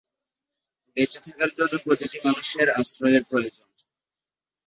বেঁচে থাকার জন্য প্রতিটি মানুষের আশ্রয়ের প্রয়োজন।